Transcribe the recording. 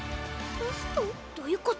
どういうこと？